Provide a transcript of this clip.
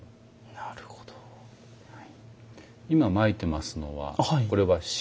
なるほどはい。